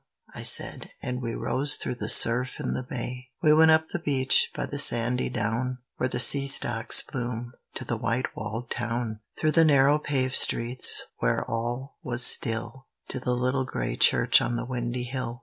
I said, and we rose through the surf in the bay. We went up the beach, by the sandy down Where the sea stocks bloom, to the white walled town, Through the narrow paved streets, where all was still, To the little gray church on the windy hill.